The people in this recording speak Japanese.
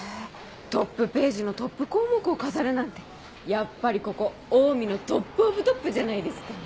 トップページのトップ項目を飾るなんてやっぱりここオウミのトップオブトップじゃないですか。